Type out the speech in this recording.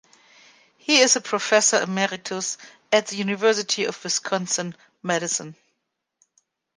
He is a professor emeritus at the University of Wisconsin-Madison.